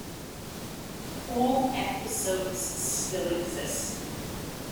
All episodes still exist.